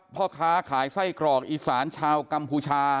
พ่อค้าขายไส้กรอกอีสานชาวกัมพูชา